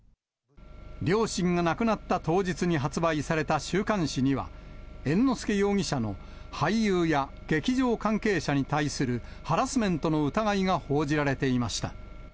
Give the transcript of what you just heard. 両親が亡くなった当日に発売された週刊誌には、猿之助容疑者の俳優や劇場関係者に対するハラスメントの疑いが報じられていました。